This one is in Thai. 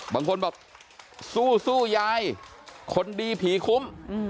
บางคนบอกสู้ยายคนดีผีคุ้ม